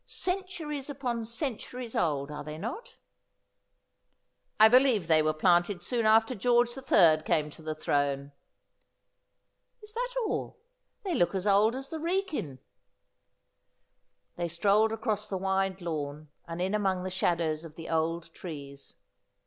'Cen turies upon centuries old, are they not ?'' I believe they were planted soon after George the Third came to the throne.' ' Is that all ? They look as old as the Wrekin.' They strolled across the wide lawn, and in among the shadows of the old trees.